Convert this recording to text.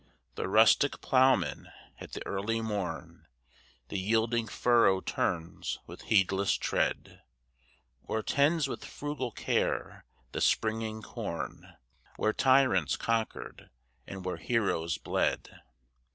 The rustic ploughman at the early morn The yielding furrow turns with heedless tread, Or tends with frugal care the springing corn, Where tyrants conquered and where heroes bled.